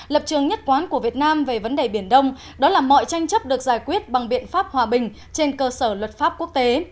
lập trường nhất quán của việt nam về vấn đề biển đông đó là mọi tranh chấp được giải quyết bằng biện pháp hòa bình trên cơ sở luật pháp quốc tế